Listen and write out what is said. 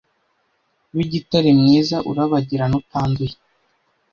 w’igitare mwiza urabagirana, utanduye